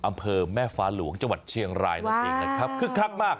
อำเภอแม่ฟ้าหลวงจังหวัดเชียงรายนั่นเองนะครับคึกคักมาก